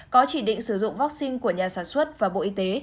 có chỉ định sử dụng vaccine của nhà sản xuất và bộ y tế